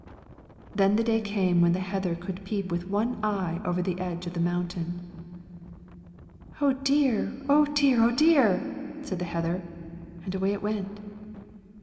Then the day came when the heather could peep with one eye over the edge of the mountain. "Oh dear, oh dear, oh dear!" said the heather, and away it went.